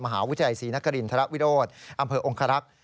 มหาวิทยาลัยศรีนครินทรวิโรธอำเภอองครักษ์